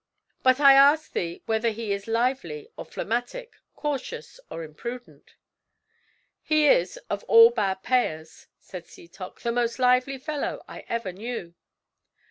"But I ask thee whether he is lively or phlegmatic, cautious or imprudent?" "He is, of all bad payers," said Setoc, "the most lively fellow I ever knew."